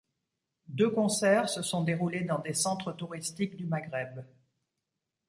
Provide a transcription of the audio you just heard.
Deux concerts se sont déroulés dans des centres touristiques du Maghreb.